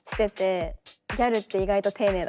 ギャルって意外と丁寧だから。